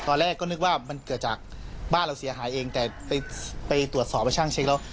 ตอนแรกก็นึกว่ามันเกิดจากบ้านเราเสียหายเองแต่ไปตรวจสอบไปช่างเช็คแล้ว